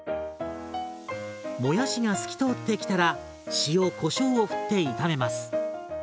もやしが透き通ってきたら塩こしょうをふって炒めます。